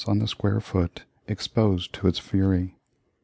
on the square foot exposed to its fury.